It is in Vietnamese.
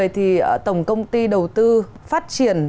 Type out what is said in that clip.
thì tổng công ty đầu tư phát triển